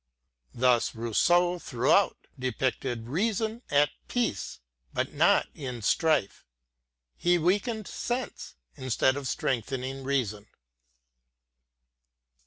Thus Rousseau throughout depicted Reason at peace, but not in strife; — he weakened Sense, instead of strengthening Reason.